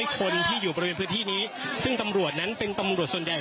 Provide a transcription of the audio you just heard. คนที่อยู่บริเวณพื้นที่นี้ซึ่งตำรวจนั้นเป็นตำรวจส่วนใหญ่